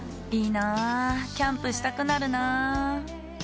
いいなぁキャンプしたくなるなぁ。